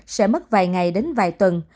sẽ mất vài ngày đến vài tuần